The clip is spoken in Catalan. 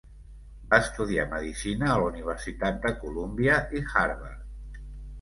Va estudiar medicina a la Universitat de Colúmbia i Harvard.